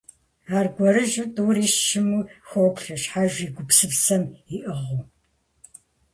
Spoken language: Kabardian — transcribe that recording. Аргуэрыжьу тӀури щыму хоплъэ, щхьэж и гупсысэм иӀыгъыу.